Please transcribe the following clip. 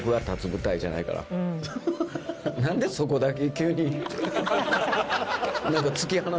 なんでそこだけ急に。